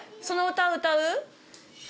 その歌歌う？